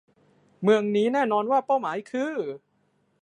เมืองนี้แน่นอนว่าเป้าหมายคือ